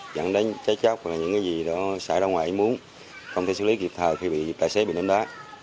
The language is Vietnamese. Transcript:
dẫn đến cháy chốc và những cái gì đó xảy ra ngoài muốn không thể xử lý kịp thời khi bị tài xế bị ném đá